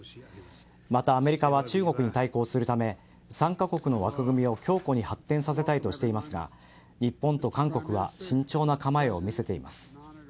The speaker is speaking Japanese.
またアメリカは中国に対抗するため３カ国の枠組みを強固に発展させたいとしていますが日本と韓国は慎重な構えを見せています。